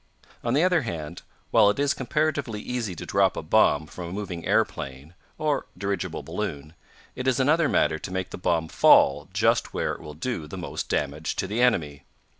On the other hand, while it is comparatively easy to drop a bomb from a moving aeroplane, or dirigible balloon, it is another matter to make the bomb fall just where it will do the most damage to the enemy.